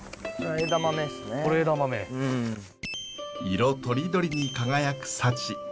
色とりどりに輝く幸。